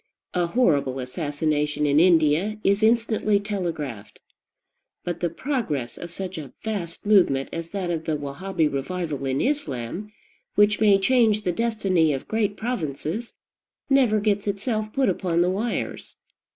A horrible assassination in India is instantly telegraphed; but the progress of such a vast movement as that of the Wahabee revival in Islam, which may change the destiny of great provinces, never gets itself put upon the wires.